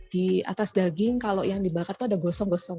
di atas daging kalau yang dibakar itu ada gosong gosong